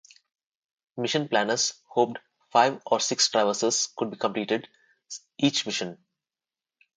Mission planners hoped five or six traverses could be completed each mission.